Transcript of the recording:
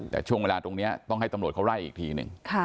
แต่ช่วงเวลาตรงนี้ต้องให้ตำรวจเขาไล่อีกทีหนึ่ง